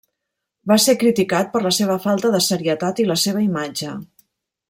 Va ser criticat per la seva falta de serietat i la seva imatge.